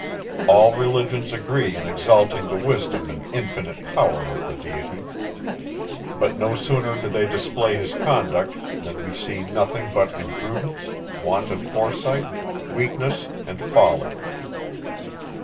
All religions agree in exalting the wisdom and infinite power of the Deity. But no sooner do they display his conduct, than we see nothing but imprudence, want of foresight, weakness and folly.